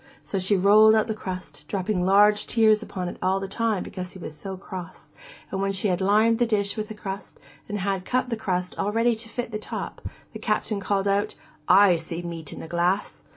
So she rolled out the crust, dropping large tears upon it all the time because he was so cross, and when she had lined the dish with crust and had cut the crust all ready to fit the top, the Captain called out, 'I see the meat in the glass!